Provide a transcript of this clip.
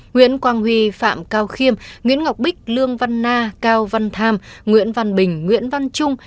nguyễn quang huy phạm cao khiêm nguyễn ngọc bích lương văn na cao văn tham nguyễn văn bình nguyễn văn trung